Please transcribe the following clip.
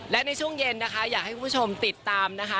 และในช่วงเย็นนะคะอยากให้คุณผู้ชมติดตามนะคะ